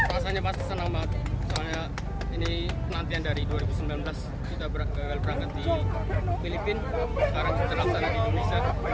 rasanya sangat senang ini penantian dari dua ribu sembilan belas kita berangkat di filipina sekarang kita terangkan di indonesia